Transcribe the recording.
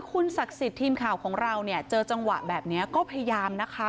คุณศักดิ์สิทธิ์ทีมข่าวของเราเนี่ยเจอจังหวะแบบนี้ก็พยายามนะคะ